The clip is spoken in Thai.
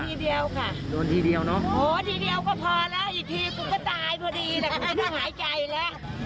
ทีเดียวค่ะโดนทีเดียวเนอะโหทีเดียวก็พอแล้วอีกทีกูก็ตายพอดีแต่ถ้าหายใจแล้ว